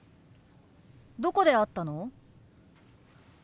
どこで会ったの？